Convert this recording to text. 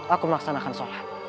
aku melaksanakan sholat